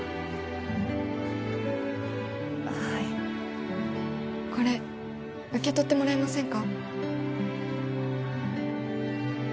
はいこれ受け取ってもらえませんか